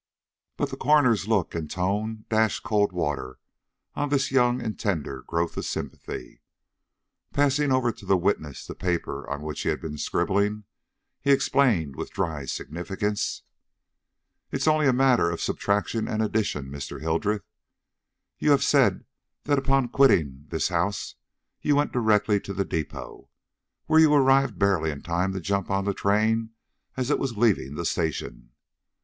But the coroner's look and tone dashed cold water on this young and tender growth of sympathy. Passing over to the witness the paper on which he had been scribbling, he explained with dry significance: "It is only a matter of subtraction and addition, Mr. Hildreth. You have said that upon quitting this house you went directly to the depot, where you arrived barely in time to jump on the train as it was leaving the station.